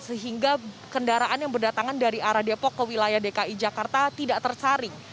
sehingga kendaraan yang berdatangan dari arah depok ke wilayah dki jakarta tidak tersaring